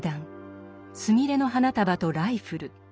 スミレの花束とライフル。